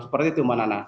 seperti itu manana